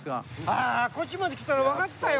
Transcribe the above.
あっこっちまで来たらわかったよ